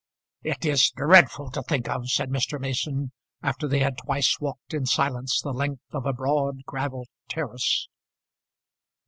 "It is dreadful to think of," said Mr. Mason, after they had twice walked in silence the length of a broad gravel terrace.